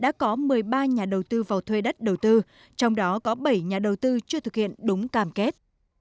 đã có một mươi ba nhà đầu tư vào thuê đất đầu tư trong đó có bảy nhà đầu tư chưa thực hiện đúng cam kết